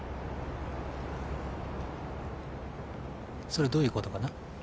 それはどういうことかな？